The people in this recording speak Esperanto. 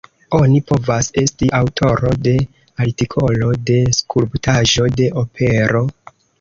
Oni povas esti aŭtoro de artikolo, de skulptaĵo, de opero.